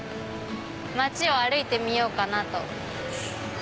街を歩いてみようかなぁと思います。